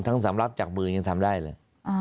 ทั้งสำรับจากมึงยังทำได้เลย